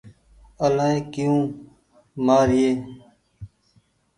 الآئي ڪيو مآر يي۔